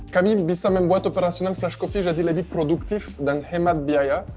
kami bisa membuat operasional fresh coffee jadi lebih produktif dan hemat biaya